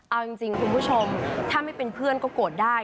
เอาจริงคุณผู้ชมถ้าไม่เป็นเพื่อนก็โกรธได้